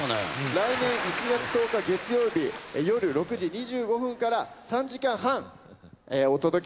来年１月１０日月曜日夜６時２５分から３時間半お届け